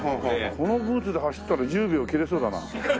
このブーツで走ったら１０秒切れそうだな。